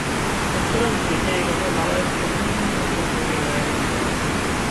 Po celém světě jej lze nalézt pod různými obchodními jmény.